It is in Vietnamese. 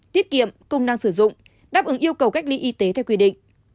tiết kiệm công năng sử dụng đáp ứng yêu cầu cách ly y tế theo quy định